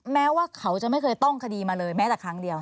แม้ว่าเขาจะไม่เคยต้องคดีมาเลยแม้แต่ครั้งเดียว